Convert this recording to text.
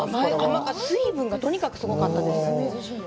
水分がとにかくすごかったです。